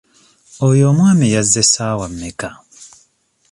Oyo omwami yazze ssaawa mmeka?